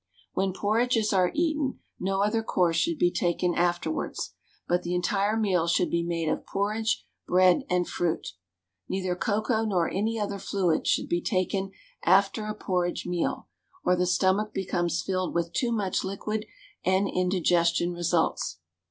When porridges are eaten, no other course should be taken afterwards, but the entire meal should be made of porridge, bread, and fruit. Neither cocoa nor any other fluids should be taken after a porridge meal, or the stomach becomes filled with too much liquid, and indigestion results.